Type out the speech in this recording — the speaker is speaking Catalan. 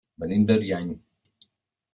Venim d'Ariany.